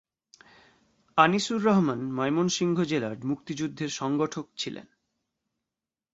আনিসুর রহমান ময়মনসিংহ জেলার মুক্তিযুদ্ধের সংগঠক ছিলেন।